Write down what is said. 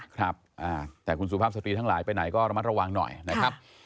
ครับแต่คุณสุภาพสตรีทั้งหลายไปไหนก็ระมัดระวังหน่อยนะครับ